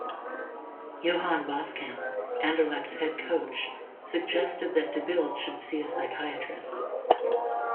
Johan Boskamp, Anderlecht's head coach, suggested that De Bilde should see a psychiatrist.